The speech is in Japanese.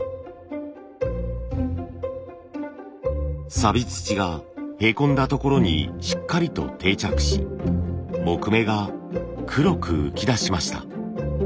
さび土がへこんだところにしっかりと定着し木目が黒く浮き出しました。